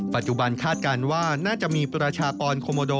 คาดการณ์ว่าน่าจะมีประชากรโคโมโด